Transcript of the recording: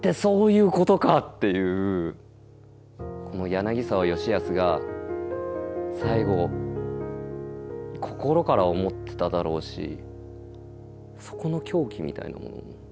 この柳沢吉保が最後心から思ってただろうしそこの狂気みたいなものも。